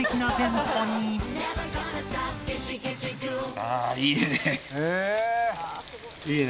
ああいいね。